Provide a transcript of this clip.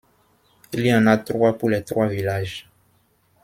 Il y en a trois pour les trois villages.